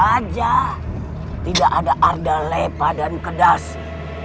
bajah tidak ada arda lepa dan kedasi